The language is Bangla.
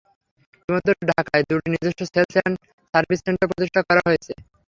ইতিমধ্যে ঢাকায় দুটি নিজস্ব সেলস অ্যান্ড সার্ভিস সেন্টার প্রতিষ্ঠা করা হয়েছে।